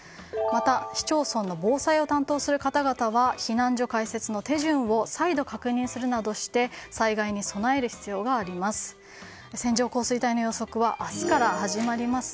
また、市町村の防災を担当する方々は避難所開設の手順を再度確認するなどして災害に備える必要があります。